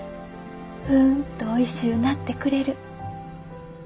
うんとおいしゅうなってくれる。